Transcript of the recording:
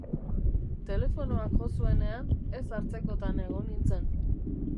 Telefonoak jo zuenean, ez hartzekotan egon nintzen.